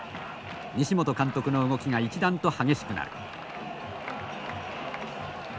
西本監督の動きが一段と激しくなる。